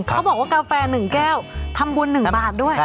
เขาบอกว่ากาแฟ๑แก้วทำบุญ๑บาทด้วย